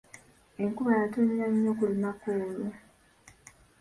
Enkuba yatonnya nnyo ku lunaku olwo.